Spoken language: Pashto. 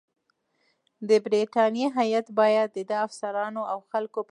د برټانیې هیات باید د ده د افسرانو او خلکو په مخ کې.